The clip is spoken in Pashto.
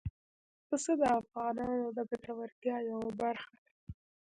پسه د افغانانو د ګټورتیا یوه برخه ده.